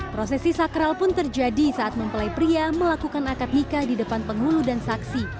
prosesi sakral pun terjadi saat mempelai pria melakukan akad nikah di depan penghulu dan saksi